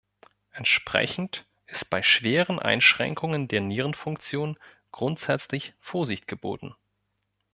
Entsprechend ist bei schweren Einschränkungen der Nierenfunktion grundsätzlich Vorsicht geboten.